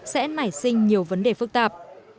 sẽ nảy sinh nhiều vấn đề phức tạp